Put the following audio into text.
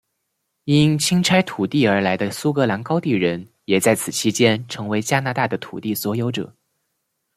因清拆土地而来的苏格兰高地人也在此期间成为加拿大的土地所有者。